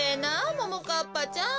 ももかっぱちゃん。